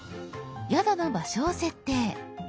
宿の場所を設定。